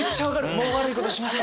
もう悪いことしません。